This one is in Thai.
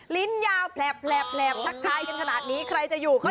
ลิ้นยาวแผลบนักที่แตกขนาดนี้